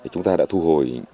chúng ta đã thu hồi